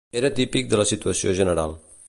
Era típic de la situació general